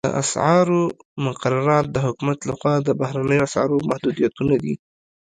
د اسعارو مقررات د حکومت لخوا د بهرنیو اسعارو محدودیتونه دي